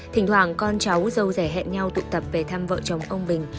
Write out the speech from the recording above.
thỉnh thoảng con cháu dâu rè hẹn nhau tụ tập về thăm vợ chồng ông bình